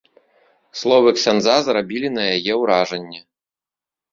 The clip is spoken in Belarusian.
Словы ксяндза зрабілі на яе ўражанне.